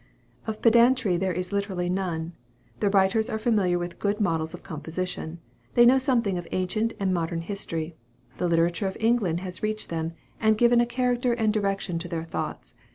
Of pedantry there is literally none. The writers are familiar with good models of composition; they know something of ancient and modern history; the literature of England has reached them, and given a character and direction to their thoughts.